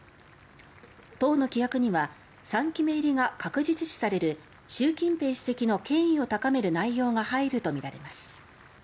党の規約には３期目入りが確実視される習近平主席の権威を高める内容が入るとみられます。